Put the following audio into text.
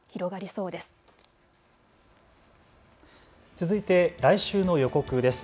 続いて来週の予告です。